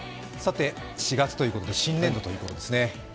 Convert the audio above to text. ４月ということで新年度ということですね。